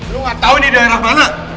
lu ga tau ini daerah mana